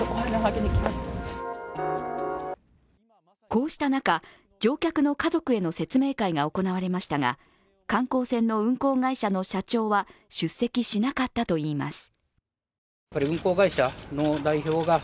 こうした中、乗客の家族への説明会が行われましたが観光船の運航会社の社長は出席しなかったといいます。